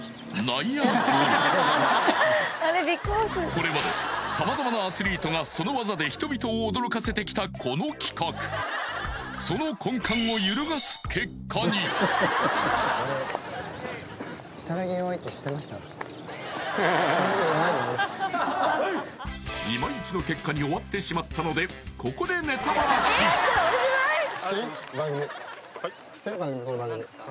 これまで様々なアスリートがその技で人々を驚かせてきたこの企画その根幹を揺るがす結果にいまいちの結果に終わってしまったのでここで何ですか？